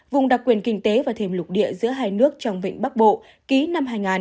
vùng đặc quyền kinh tế và thềm lục địa giữa hai nước trong vịnh bắc bộ ký năm hai nghìn